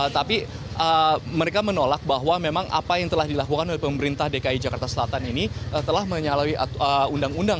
tapi mereka menolak bahwa memang apa yang telah dilakukan oleh pemerintah dki jakarta selatan ini telah menyalahi undang undang